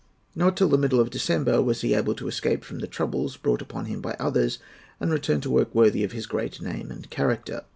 Not till the middle of December was he able to escape from the troubles brought upon him by others, and to return to work worthy of his great name and character.